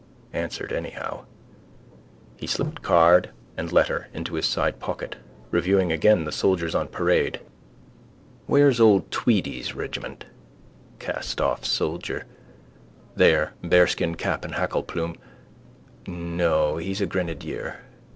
Answered anyhow. He slipped card and letter into his sidepocket, reviewing again the soldiers on parade. Where's old Tweedy's regiment? Castoff soldier. There: bearskin cap and hackle plume. No, he's a grenadier.